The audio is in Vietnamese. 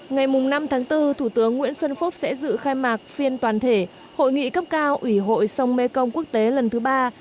ngày năm bốn thủ tướng nguyễn xuân phúc sẽ dự khai mạc phiên toàn thể hội nghị cấp cao ủy hội sông mê công quốc tế lần thứ ba